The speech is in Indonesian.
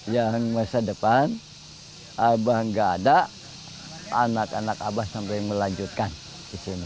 yang masa depan abah gak ada anak anak abah sampai melanjutkan ke sini